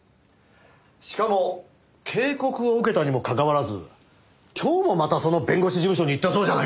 しかも警告を受けたにもかかわらず今日もまたその弁護士事務所に行ったそうじゃないか！